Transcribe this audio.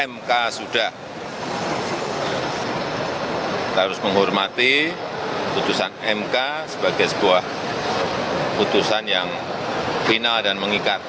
mk sudah harus menghormati putusan mk sebagai sebuah putusan yang final dan mengikat